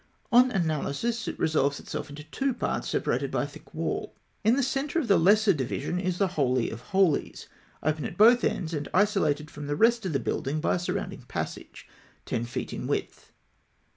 On analysis, it resolves itself into two parts separated by a thick wall (A, A). In the centre of the lesser division is the Holy of Holies (B), open at both ends and isolated from the rest of the building by a surrounding passage (C) 10 feet in width.